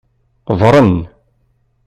Ḍren.